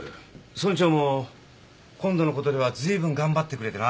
村長も今度のことでは随分頑張ってくれてな。